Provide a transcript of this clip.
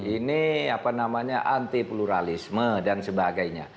ini anti pluralisme dan sebagainya